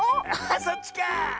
あそっちか！